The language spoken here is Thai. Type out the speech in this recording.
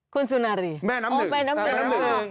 คุณสุนารีแม่น้ำหนึ่งแม่น้ำหนึ่ง